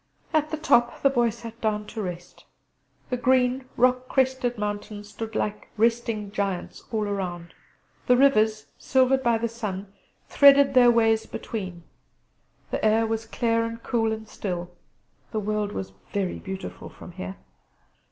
At the top the Boy sat down to rest. The green rock crested mountains stood like resting giants all around: the rivers, silvered by the sun, threaded their ways between: the air was clear, and cool, and still. The world was very beautiful from there.